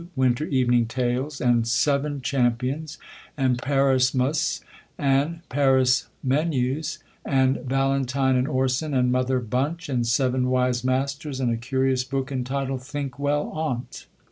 Winter Evening Tales, and Seven Champions, andParismus, and Parismenus, and Valentine and Orson, and Mother Bunch, and Seven Wise Masters, and a curious book, entitled, Think well ©n't.